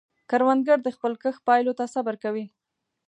کروندګر د خپل کښت پایلو ته صبر کوي